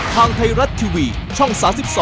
ทางไทยรัฐทีวีช่อง๓๒